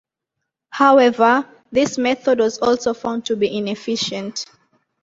However, this method was also found to be inefficient.